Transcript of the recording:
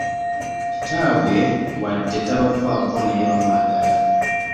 Kitaabwe wadde tabafaako naye bamwagala.